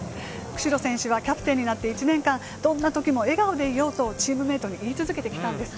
久城選手がキャプテンになって１年間、どんなときも笑顔でいようとチームメイトに言い続けてきたんです。